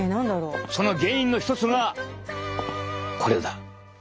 その原因の一つがこれだ。